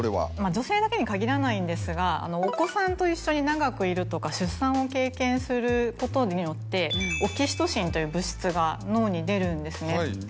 女性だけに限らないんですがお子さんと一緒に長くいるとか出産を経験することによってオキシトシンという物質が脳に出るんですね。